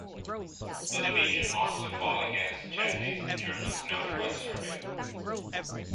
The division mostly fought against Chetniks and Germans in occupied Serbia.